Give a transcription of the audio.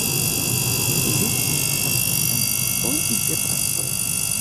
Зусім не зразумела, хто і дзе працуе.